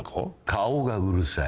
顔がうるさい。